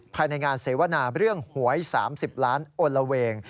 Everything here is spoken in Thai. ภายในงานเสวนาเรื่องหวย๓๐ล้านโอละเวง